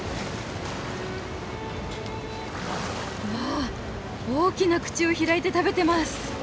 うわ大きな口を開いて食べてます。